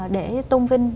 để tôn vinh